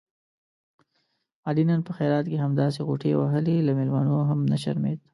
علي نن په خیرات کې همداسې غوټې وهلې، له مېلمنو هم نه شرمېدا.